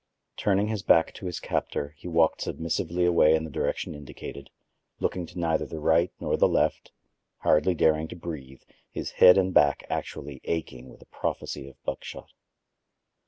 Turning his back to his captor, he walked submissively away in the direction indicated, looking to neither the right nor the left; hardly daring to breathe, his head and back actually aching with a prophecy of buckshot.